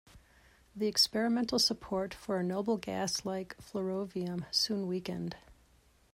The experimental support for a noble-gas-like flerovium soon weakened.